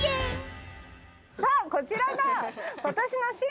さあこちらが。